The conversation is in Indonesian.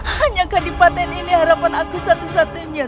hanya kadipaten ini harapan aku satu satunya